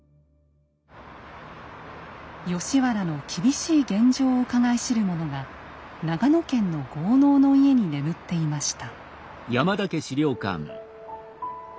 吉原の厳しい現状をうかがい知るものが長野県の豪農の家に眠っていました。